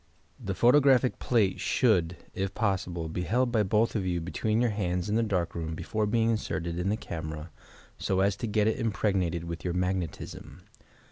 The photographic plate should, if possible, be held by both of you between your hands in the dark room, before bemg inserted in the camera, so as to get it impregnated with your "magnetism."